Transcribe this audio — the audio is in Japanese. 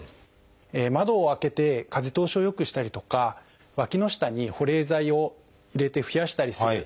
窓を開けて風通しをよくしたりとかわきの下に保冷剤を入れて冷やしたりする。